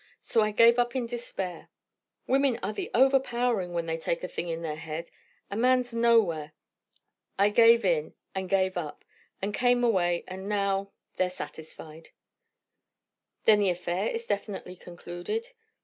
So I gave up in despair. Women are the overpowering when they take a thing in their head! A man's nowhere. I gave in, and gave up, and came away, and now they're satisfied." "Then the affair is definitely concluded?"